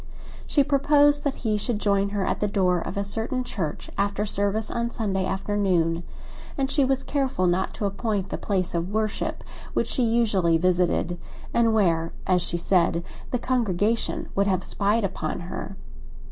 She proposed that he should join her at the door of a certain church, after service on Sunday afternoon, and she was careful not to appoint the place of worship which she usually visited, and where, as she said, the congregation would have spied upon her.